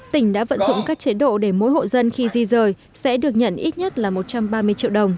tỉnh đã vận dụng các chế độ để mỗi hộ dân khi di rời sẽ được nhận ít nhất là một trăm ba mươi triệu đồng